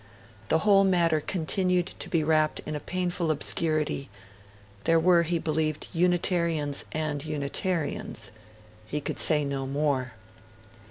The whole matter continued to be wrapped in a painful obscurity, There were, he believed, Unitarians and Unitarians; and he could say no more.